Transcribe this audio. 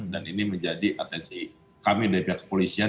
dan ini menjadi atensi kami dari pihak kepolisian